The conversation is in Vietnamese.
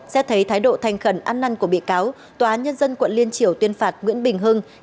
xét thấy thái độ thành khẩn ăn năn của bị cáo tòa nhân dân quận liên triều tuyên phạt nguyễn bình hưng